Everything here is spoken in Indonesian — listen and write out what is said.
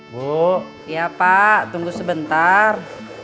bu ya pak tunggu sebentar